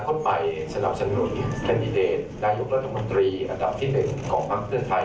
ดูใหม่สนับสนุนแคนดิเดตนายุครัฐมนตรีอันดับที่๑ของภังเที่ยนไทย